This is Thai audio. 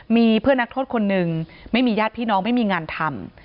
มีเพื่อนนักโทษคนหนึ่งไม่มีญาติพี่น้องไม่มีงานทำ